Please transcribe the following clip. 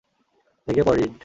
ভেগে পড়, রীড!